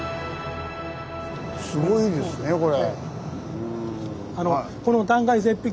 すごいですねこれ。